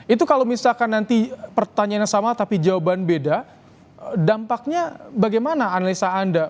itu kalau misalkan nanti pertanyaannya sama tapi jawaban beda dampaknya bagaimana analisa anda